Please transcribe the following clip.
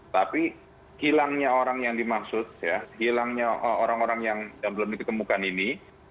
tapi hilangnya orang yang dimaksud ya hilangnya orang orang yang belum diketemukan ini